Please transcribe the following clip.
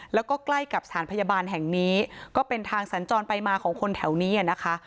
แล้วก็ใกล้กับสถานพยาบาลแห่งนี้ก็เป็นทางสัญจรไปมาของคนแถวนี้นะคะ